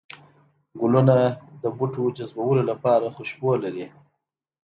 گلونه د بوټو جذبولو لپاره خوشبو لري